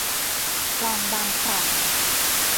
คลองบางกร่าง